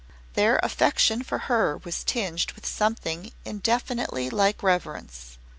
Their affection for her was tinged with something indefinitely like reverence.